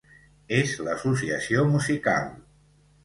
És l'associació musical.